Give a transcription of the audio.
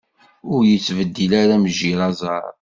Ur yettbeddil ara mejjir aẓar.